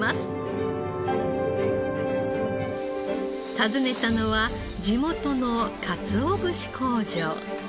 訪ねたのは地元の鰹節工場。